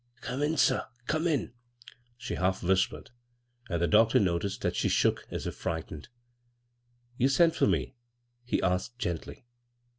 " Come in, sir, come in," she half whis pered ; and the doctor nodced that she shook as if hightened. " You sent for me ?" he asked gently.